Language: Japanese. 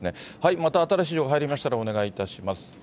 また新しい情報が入りましたらお願いいたします。